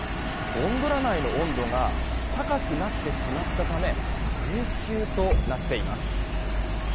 ゴンドラ内の温度が高くなってしまったため運休となっています。